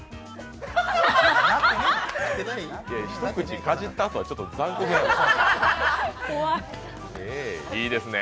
一口かじったあとは、ちょっと残酷ですね。